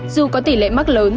dù có tỷ lệ mắc lớn